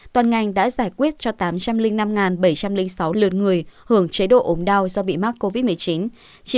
toàn ngành đã giải quyết cho tám trăm linh năm bảy trăm linh sáu lượt người hưởng chế độ ốm đau do bị mắc covid một mươi chín